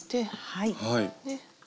はい。